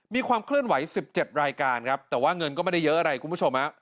มีความเคลื่อนไหว๑๗รายการครับแต่ว่าเงินก็ไม่ได้เยอะอะไรคุณผู้ชม